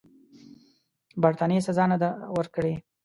برټانیې سزا نه ده ورکړې.